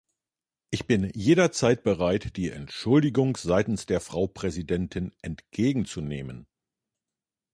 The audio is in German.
Ich bin jederzeit bereit, die Entschuldigung seitens der Frau Präsidentin entgegenzunehmen.